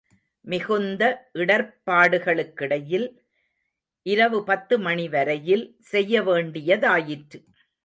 மிகுந்த இடர்ப்பாடுகளுக்கிடையில் இரவு பத்து மணிவரையில் செய்ய வேண்டியதாயிற்று.